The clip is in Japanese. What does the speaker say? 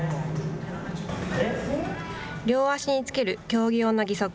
両足に着ける競技用の義足。